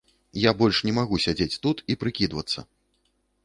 Я больш не магу сядзець тут і прыкідвацца.